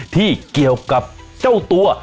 ที่เกี่ยวกับเจ้าตัว